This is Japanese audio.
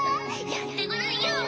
・・やってごらんよ！